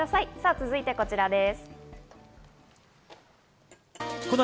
続いてこちらです。